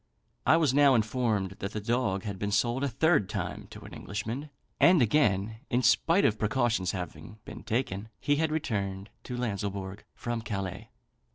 I was now informed that the dog had been sold a third time to an Englishman; and again, in spite of precautions having been taken, he had returned to Lanslebourg from Calais."